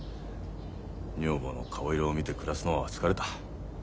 女房の顔色を見て暮らすのは疲れた。